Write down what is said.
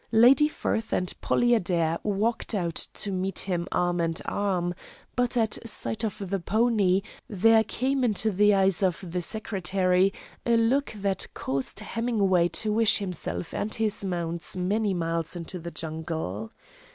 Lady Firth and Polly Adair walked out to meet him arm in arm, but at sight of the pony there came into the eyes of the secretary a look that caused Hemingway to wish himself and his mount many miles in the jungle.